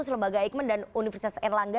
lembaga eijkman dan universitas erlangga